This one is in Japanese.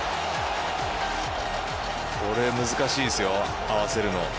これ難しいですよ合わせるの。